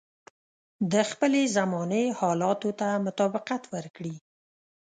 د خپلې زمانې حالاتو ته مطابقت ورکړي.